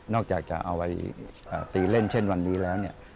อกจากจะเอาไว้ตีเล่นเช่นวันนี้แล้วเนี่ย